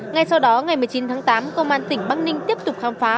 ngay sau đó ngày một mươi chín tháng tám công an tỉnh bắc ninh tiếp tục khám phá